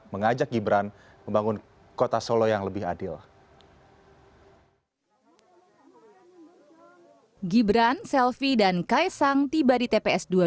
mengajak gibran membangun kota solo yang lebih adil hai gibran selfie dan kaisang tiba di tps dua